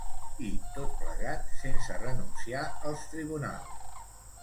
I, tot plegat, sense renunciar als tribunals.